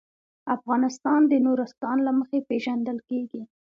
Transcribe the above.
افغانستان د نورستان له مخې پېژندل کېږي.